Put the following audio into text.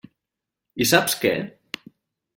I saps què?